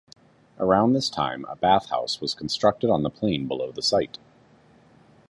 Around this time a bath house was constructed on the plain below the site.